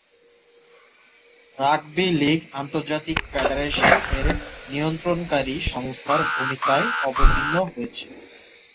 Rugby league আন্তর্জাতিক federation এর নিয়ন্ত্রণকারী সংস্থার ভূমিকায় অবতীর্ণ হয়েছে।